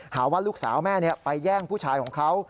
หาว่าลูกสาวแม่ไปแย่งผู้ชายของเขา